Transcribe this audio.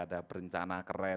ada berencana keren